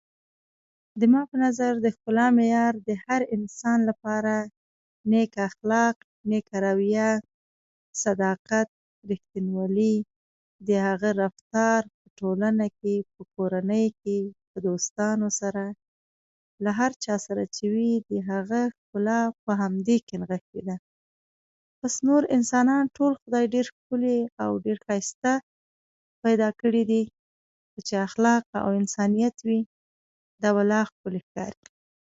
زما په نظر د ښکلا معیار د هر انسان لپاره یې اخلاق، نیکه رویه، صداقت، ریښتینولي، د هغه رفتار ټولنه کې، کورنۍ کې، دوستانو سره، له هر چا سره چې وي، د هغه ښکلا په همدې کې نغښتې ده. بس نور انسانان خدای ډېر ښکلي او ډېر ښایسته پیدا کړي دي، چې اخلاق او انسانیت یې ښکلی ښکاري.